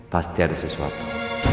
pasti ada sesuatu